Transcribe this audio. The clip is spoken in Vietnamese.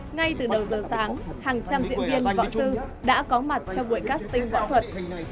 ngay từ đầu giờ sáng hàng trăm diễn viên võ sư đã có mặt cho buổi casting võ thuật